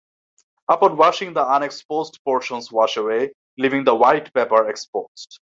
Upon washing, the unexposed portions wash away, leaving the white paper exposed.